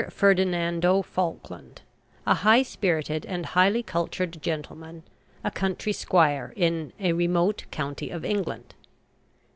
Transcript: FERDINANDO FALKLAND, a high spirited and highly cultured gentleman, a country squire in "a remote county of England."